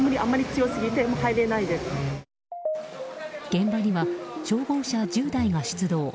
現場には消防車１０台が出動。